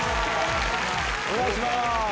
お願いします。